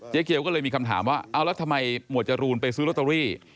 เกียวก็เลยมีคำถามว่าเอาแล้วทำไมหมวดจรูนไปซื้อลอตเตอรี่